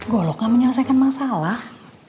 golok gak menyelesaikan masalah